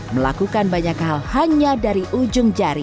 melakukan banyak hal hanya dari ujung jari